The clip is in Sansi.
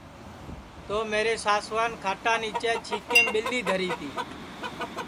تو میرے ساسوان کھاٹا نیچے چھیکیم ٻیلی دھری تی